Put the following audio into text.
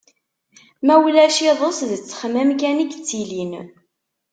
Ma ulac iḍes, d ttexmam kan i yettilin.